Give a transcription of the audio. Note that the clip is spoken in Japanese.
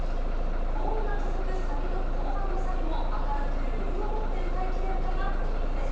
高音が続くサビの後半のサビも明るく余裕を持って歌い切れるかがポイントです。